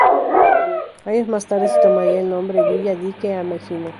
Años más tarde se tomaría el nombre Villa Dique Ameghino.